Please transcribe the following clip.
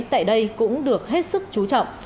tại đây cũng được hết sức chú trọng